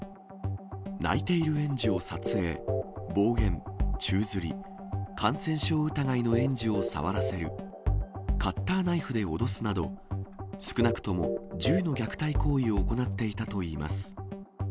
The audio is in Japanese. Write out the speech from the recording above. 泣いている園児を撮影、暴言、宙づり、感染症疑いの園児を触らせる、カッターナイフで脅すなど、少なくとも１０の虐待行為を行っていたといいます。